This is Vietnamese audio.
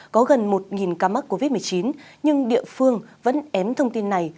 có gần một ca mắc covid một mươi chín nhưng địa phương vẫn ém thông tin này